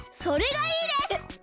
それがいいです！